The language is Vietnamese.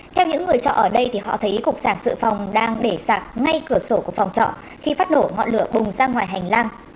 theo những người trọ ở đây thì họ thấy cục sạc sự phòng đang để sạc ngay cửa sổ của phòng trọ khi phát nổ ngọn lửa bùng ra ngoài hành lang